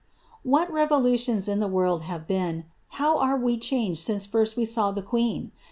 What revolutions in the world have been ! How are we changed since first we saw the queen!